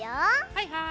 はいはい！